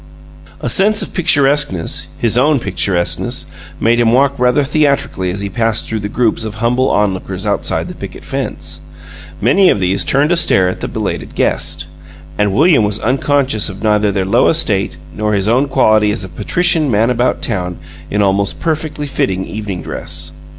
A sense of picturesqueness his own picturesqueness made him walk rather theatrically as he passed through the groups of humble onlookers outside the picket fence. Many of these turned to stare at the belated guest, and William was unconscious of neither their low estate nor his own quality as a patrician man about town in almost perfectly fitting evening dress.